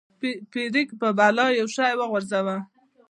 فلیریک په بلا یو شی وغورځاوه.